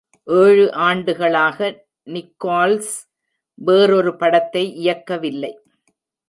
ஏழு ஆண்டுகளாக நிக்கோல்ஸ் வேறொரு படத்தை இயக்கவில்லை.